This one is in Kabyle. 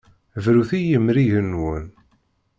Brut i yemrigen-nwen!